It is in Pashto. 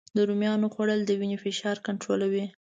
د رومیانو خوړل د وینې فشار کنټرولوي